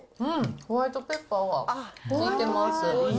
ホワイトペッパーが利いてます。